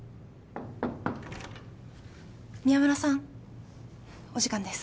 ・・宮村さんお時間です。